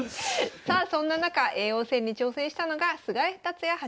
さあそんな中叡王戦に挑戦したのが菅井竜也八段です。